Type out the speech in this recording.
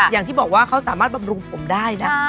อย่างที่บอกว่าเขาสามารถบำรุงผมได้นะ